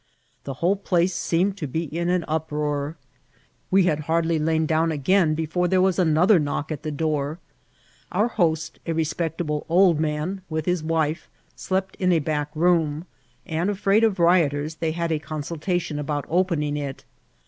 The whole place seemed to be in an uproar. We had hardly lain down again before there was another knock at the door. Our host, a respectable old man, with his wife, slept in a back room, and, afraid of rioters, they had a consul* tation about opening it.